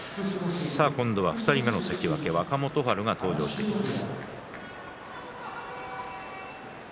今度は２人目の関脇若元春の登場です。